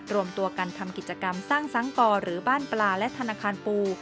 รวมตัวกันทำกิจกรรมสร้างสังกอหรือบ้านปลาและธนาคารปู